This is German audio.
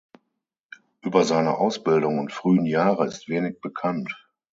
Über seine Ausbildung und frühen Jahre ist wenig bekannt.